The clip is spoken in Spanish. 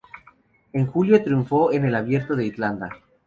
En julio triunfó en el Abierto de Irlanda.